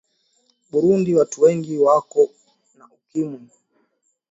Burundi watu wengi weko na ukimwi